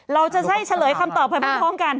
เราจะให้เฉลยคำตอบภายในโครงกัน